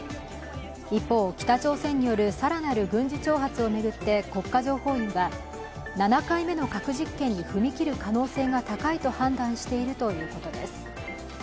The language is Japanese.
一方、北朝鮮による更なる軍事挑発を巡って情報機関は７回目の核実験に踏み切る可能性が高いと判断しているということです。